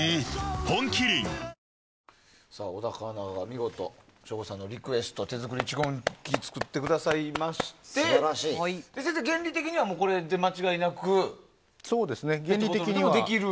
本麒麟小高アナが見事省吾さんのリクエストの手作り蓄音機を作ってくださいまして先生、原理的にはこれで間違いなく録音できる？